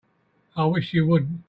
I wish you wouldn't.